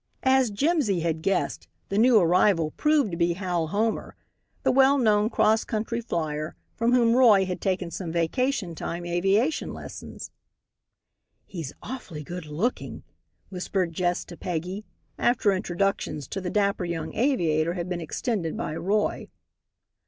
As Jimsy had guessed, the new arrival proved to be Hal Homer, the well known cross country flier, from whom Roy had taken some vacation time aviation lessons. "He's awfully good looking," whispered Jess to Peggy, after introductions to the dapper young aviator had been extended by Roy.